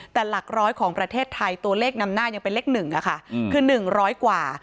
แต่หลักร้อยของประเทศไทยตัวเลขนำหน้ายังเป็นเลข๑ค่ะคือ๑๐๐กว่า